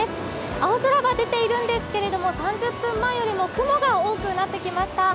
青空が出ているんですけど、３０分前よりも雲が多くなってきました。